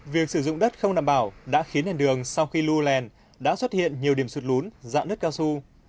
việc sử dụng đất không đảm bảo đã khiến nền đường sau khi lưu lèn đã xuất hiện nhiều điểm sụt lún dạ nứt cao su